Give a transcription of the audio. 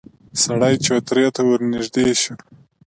سړی چوترې ته ورنږدې شو.